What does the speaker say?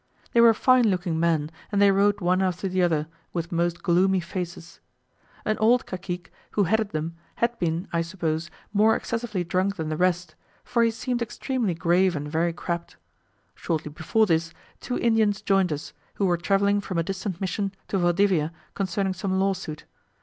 They were fine looking men, and they rode one after the other, with most gloomy faces. An old cacique, who headed them, had been, I suppose, more excessively drunk than the rest, for he seemed extremely grave and very crabbed. Shortly before this, two Indians joined us, who were travelling from a distant mission to Valdivia concerning some lawsuit.